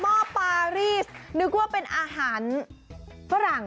ห้อปารีสนึกว่าเป็นอาหารฝรั่ง